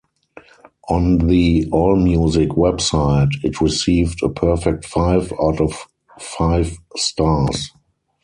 On the AllMusic website, it received a perfect five out of five stars.